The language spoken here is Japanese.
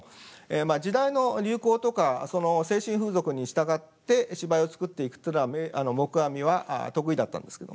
まあ時代の流行とかその精神風俗に従って芝居を作っていくっていうのは黙阿弥は得意だったんですけど。